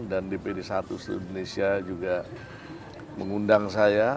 dan dpd satu indonesia juga mengundang saya